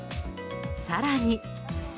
更に。